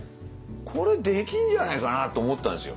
「これできんじゃねえかな」と思ったんですよ。